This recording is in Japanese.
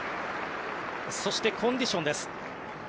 そして、コンディションです。